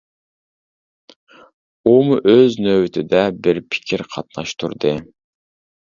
ئۇمۇ ئۆز نۆۋىتىدە بىر پىكىر قاتناشتۇردى.